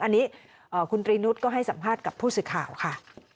อันนี้คุณตรีนุษย์ก็ให้สัมภาษณ์กับผู้สื่อข่าวค่ะ